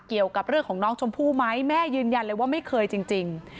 เกี่ยวกับเรื่องของน้องชมพู่ไหมแม่ยืนยันเลยว่าไม่เคยจริง